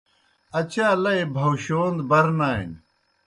اچا لئی بھاؤشَون بر نانیْ۔